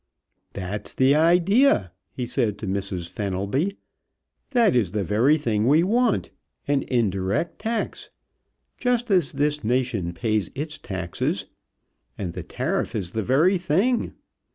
"That's the idea!" he said to Mrs. Fenelby. "That is the very thing we want! An indirect tax, just as this nation pays its taxes, and the tariff is the very thing!